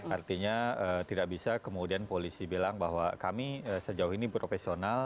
artinya tidak bisa kemudian polisi bilang bahwa kami sejauh ini profesional